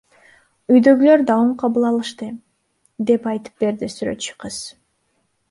Үйдөгүлөр да оң кабыл алышты, — деп айтып берди сүрөтчү кыз.